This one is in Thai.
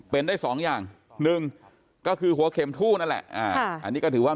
เป็นได้สองอย่างหนึ่งก็คือหัวเข็มทู่นั่นแหละอันนี้ก็ถือว่า